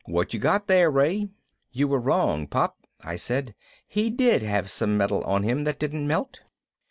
What you got there, Ray?" "You were wrong, Pop," I said. "He did have some metal on him that didn't melt."